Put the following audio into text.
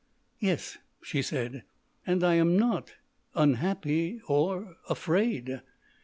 "Yes," she said. "And I am not—unhappy, or—afraid."